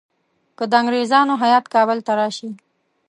که د انګریزانو هیات کابل ته راشي.